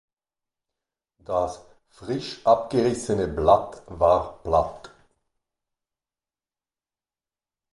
Das frisch abgerissene Blatt war platt.